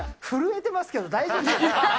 震えてますけど、大丈夫？